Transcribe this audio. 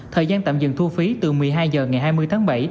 thời gian tạm dừng thu phí từ một mươi hai h ngày hai mươi tháng bảy